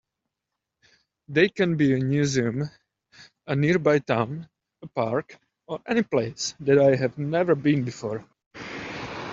They can be a museum, a nearby town, a park, or any place that I have never been before.